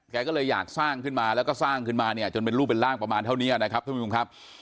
แกก็เลยอยากสร้างขึ้นมาแล้วก็สร้างขึ้นมาเนี่ยจนเป็นรูปเป็นร่างประมาณเท่านี้นะครับท่านผู้ชมครับ